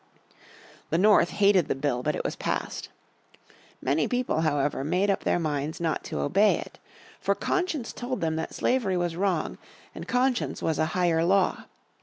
The North hated the Bill but it was passed. Many people, however, made up their minds not to obey it. For conscience told them that slavery was wrong and conscience was a "higher Law."